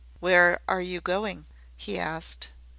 "Where are you going?" he asked.